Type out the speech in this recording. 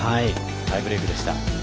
タイブレークでした。